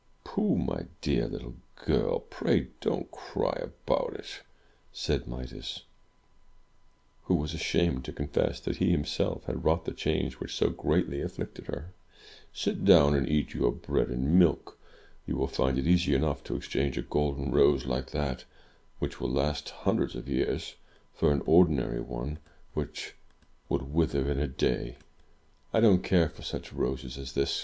"Poh, my dear little girl — ^pray don't cry about it!" said Midas, who was ashamed to confess that he himself had wrought the change which so greatly afflicted her. "Sit down and eat your bread and milk! You will find it easy enough to exchange a golden rose Uke that (which will last hundreds of years) for an ordinary one which would wither in a day." 281 MY BOOK HOUSE "I don't care for such roses as this!"